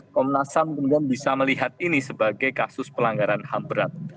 komnas ham kemudian bisa melihat ini sebagai kasus pelanggaran ham berat